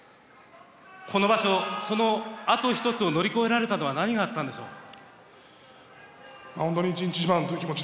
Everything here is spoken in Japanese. この場所そのあと一つを乗り越えられたのは何があったんでしょう？